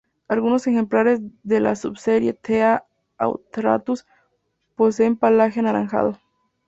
Algunos ejemplares de la subespecie "T. a. auratus" poseen pelaje anaranjado.